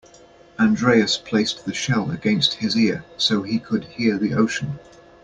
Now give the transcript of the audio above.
Andreas placed the shell against his ear so he could hear the ocean.